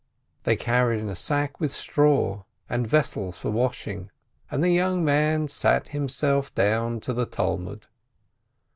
They carried in a sack with straw, and vessels for washing, and the young man sat himself down to the Talmud.